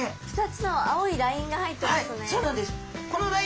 ２つの青いラインが入っていますね。